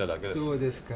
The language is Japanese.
そうですか。